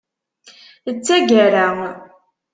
D tagara.